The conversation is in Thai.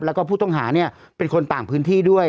แล้วก็ผู้ต้องหาเนี่ยเป็นคนต่างพื้นที่ด้วย